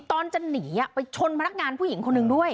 ตอนจะหนีไปชนพนักงานผู้หญิงคนหนึ่งด้วย